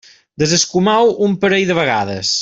Desescumeu un parell de vegades.